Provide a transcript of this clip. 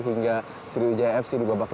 hingga sriwijaya fc di babak